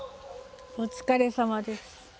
お疲れさまです。